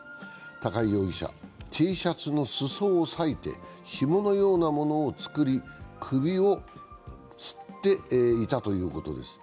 高井容疑者、Ｔシャツの裾を裂いてひものようなものを作り首をつっていたということです。